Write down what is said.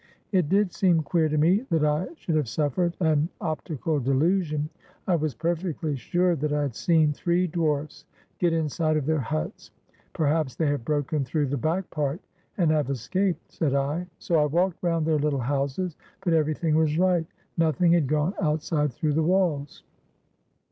It did seem queer to me that I should have suffered an optical delusion. I was perfectly sure that I had seen three dwarfs get inside of their huts. "Perhaps they have broken through the back part, and have escaped," said I; so I walked round their Httle houses, but everything was right — nothing had gone outside through the walls.